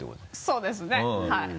そうですねはい。